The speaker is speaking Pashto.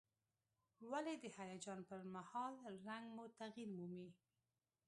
ولې د هیجان پر مهال رنګ مو تغییر مومي؟